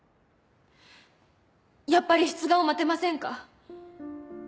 やっぱり出願を待てませんか？